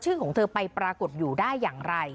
ของเธอไปปรากฏอยู่ได้อย่างไร